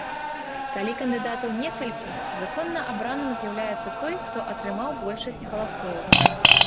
Калі кандыдатаў некалькі, законна абраным з'яўляецца той, хто атрымаў большасць галасоў.